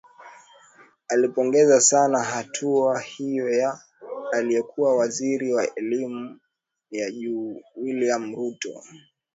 alipongeza sana hatua hiyo ya aliyekuwa waziri wa elimu ya juu wiliam ruto